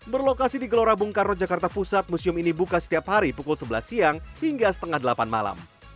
berlokasi di gelora bung karno jakarta pusat museum ini buka setiap hari pukul sebelas siang hingga setengah delapan malam